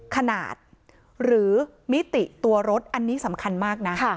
ขนาดหรือมิติตัวรถอันนี้สำคัญมากนะ